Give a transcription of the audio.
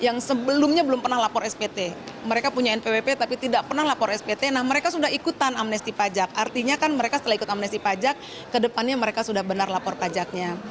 yang sebelumnya belum pernah lapor spt mereka punya npwp tapi tidak pernah lapor spt nah mereka sudah ikutan amnesti pajak artinya kan mereka setelah ikut amnesty pajak kedepannya mereka sudah benar lapor pajaknya